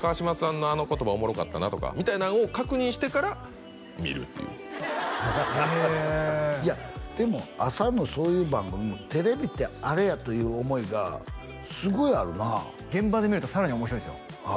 川島さんのあの言葉おもろかったなとかみたいなんを確認してから見るっていうへえいやでも朝のそういう番組もテレビってあれやという思いがすごいあるな現場で見るとさらに面白いですよああ